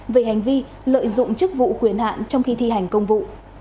về hành vi lợi dụng chức vụ quyền hạn trong khi thi hành công vụ